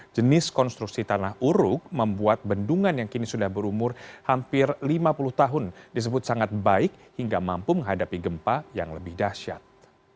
jenis konstruksi tanah uruk membuat bendungan yang kini sudah berumur hampir lima puluh tahun disebut sangat baik hingga mampu menghadapi gempa yang lebih dahsyat